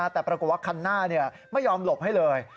แต่ปรากฏว่าคันหน้าไม่ยอมหลบให้เลย